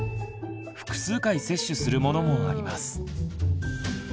複数回接種するものもあります。